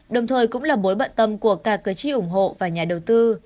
đồng thời cũng là bối bận tâm của cả cơ chí ủng hộ và nhà đầu tư